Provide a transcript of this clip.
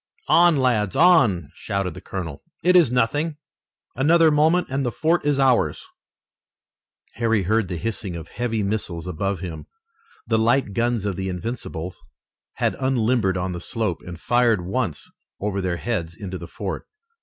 "On, lads, on!" shouted the colonel. "It is nothing! Another moment and the fort is ours!" Harry heard the hissing of heavy missiles above him. The light guns of the Invincibles had unlimbered on the slope, and fired once over their heads into the fort.